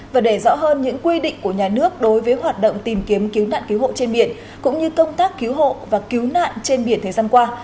và để rõ hơn những quy định của nhà nước đối với hoạt động tìm kiếm cứu nạn cứu hộ trên biển cũng như công tác cứu hộ và cứu nạn trên biển thời gian qua